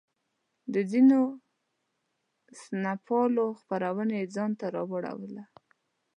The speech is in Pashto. د ځینو سمونپالو پاملرنه یې ځان ته راواړوله.